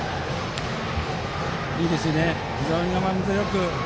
いいですね非常に我慢強く。